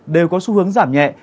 đều có xu hướng giảm nhẹ